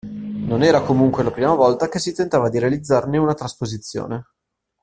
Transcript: Non era comunque la prima volta che si tentava di realizzarne una trasposizione.